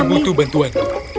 kami butuh bantuan